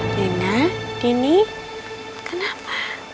dina dini kenapa